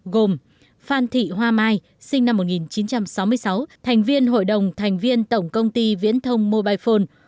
gồm phan thị hoa mai sinh năm một nghìn chín trăm sáu mươi sáu thành viên hội đồng thành viên tổng công ty viễn thông mobile phone